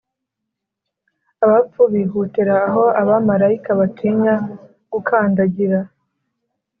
abapfu bihutira aho abamarayika batinya gukandagira